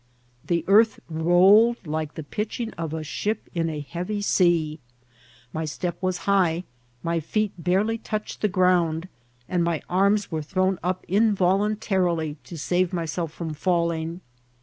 The earth rolled like the pitching of a ship in a heavy sea. My step was high, my feet barely touched the ground, and my arms were thrown up inroluntarily to save myself from falling.